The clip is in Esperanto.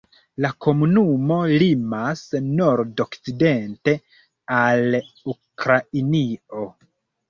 La komunumo limas nord-okcidente al Ukrainio.